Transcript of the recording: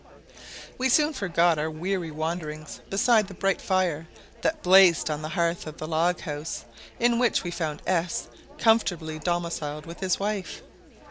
We soon forgot our weary wanderings beside the bright fire that blazed on the hearth of the log house, in which we found S comfortably domiciled with his wife.